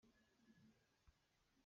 Kan inn cu canphio kan cih.